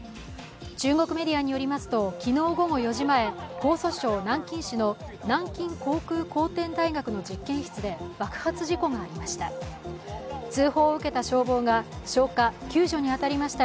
中国メディアによりますと昨日午後４時前、江蘇省・南京市のの南京航空航天大学の実験室で爆発事故がありました。